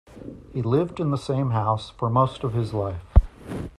He lived in the same house for most of his life.